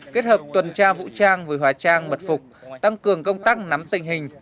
kết hợp tuần tra vũ trang với hóa trang mật phục tăng cường công tác nắm tình hình